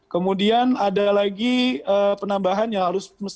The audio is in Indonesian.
kemudian ada lagi penambahan yang harus dikeluarkan oleh sid